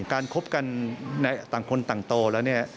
การคบกันต่างคนต่างโตแล้วนี่